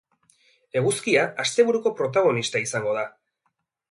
Eguzkia asteburuko protagonista izango da.